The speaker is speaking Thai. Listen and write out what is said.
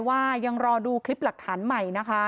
ยังรอดูคลิปหลักฐานใหม่นะคะ